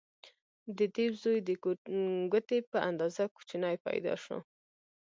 د دیو زوی د ګوتې په اندازه کوچنی پیدا شو.